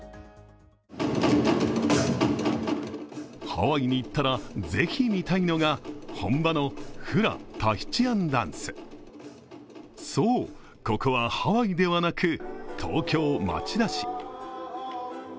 ハワイに行ったら、ぜひ見たいのが本場のフラ・タヒチアンダンスそう、ここはハワイではなく東京・町田市。